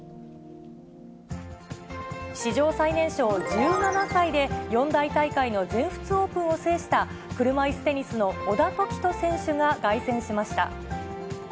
史上最年少１７歳で四大大会の全仏オープンを制した車いすテニスの小田凱人選手が凱旋しました。